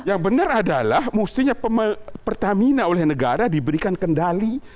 yang benar adalah mestinya pertamina oleh negara diberikan kendali